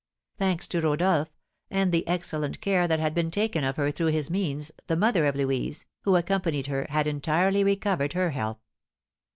Thanks to Rodolph, and the excellent care that had been taken of her through his means, the mother of Louise, who accompanied her, had entirely recovered her health.